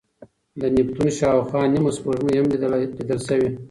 د نیپتون شاوخوا نیمه سپوږمۍ هم لیدل شوې.